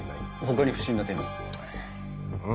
他に不審な点は？